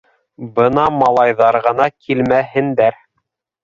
Бына малайҙар ғына килмәһендәр.